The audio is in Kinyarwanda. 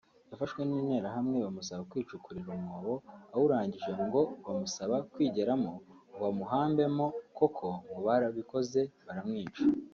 yafashwe n’Interahamwe bamusaba kwicukurira umwobo awurangije ngo bamusaba kwigeramo ngo bamuhambemo koko ngo barabikoze baramwica